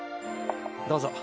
どうぞ。